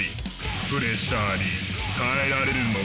プレッシャーに耐えられるのか？